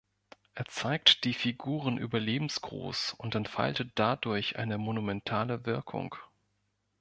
Es zeigt die Figuren überlebensgroß und entfaltet dadurch eine monumentale Wirkung.